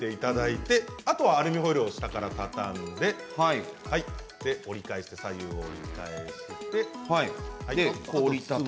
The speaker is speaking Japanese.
あとはアルミホイルを下から畳んで折り返して左右を折り返して。